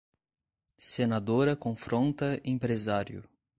Senadora confronta empresário